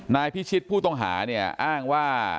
นายพิชิศผู้ต้องหาอ้างว่า